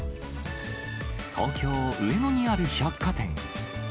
東京・上野にある百貨店。